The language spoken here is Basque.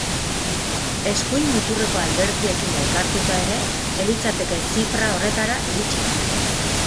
Eskuin-muturreko alderdiekin elkartuta ere, elitzateke zifra horretara iritsiko.